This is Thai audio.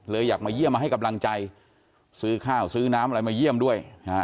อยากมาเยี่ยมมาให้กำลังใจซื้อข้าวซื้อน้ำอะไรมาเยี่ยมด้วย